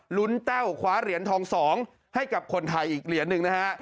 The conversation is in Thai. ลุ้นแต้วคว้าเหรียญทอง๒ให้กับคนไทยอีกเหรียญหนึ่งนะฮะ